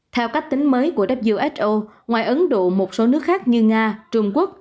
theo cách tính mới của who ngoài ấn độ một số nước khác như nga trung quốc